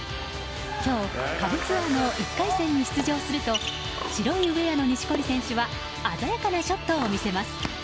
今日、下部ツアーの１回戦に出場すると白いウェアの錦織選手は鮮やかなショットを見せます。